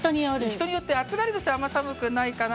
人によって暑がりの人はあんまり、寒くないかな。